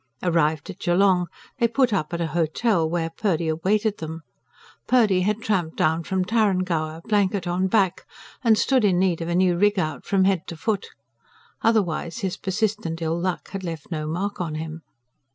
Arrived at Geelong they put up at an hotel, where Purdy awaited them. Purdy had tramped down from Tarrangower, blanket on back, and stood in need of a new rig out from head to foot. Otherwise his persistent ill luck had left no mark on him.